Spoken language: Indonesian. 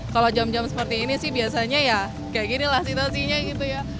kalau jam jam seperti ini sih biasanya ya kayak ginilah situasinya gitu ya